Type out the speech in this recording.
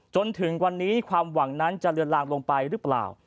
จนถึงวันนี้ความหวังนั้นจะเลือนลางลงไปหรือเปล่า